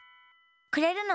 くれるの？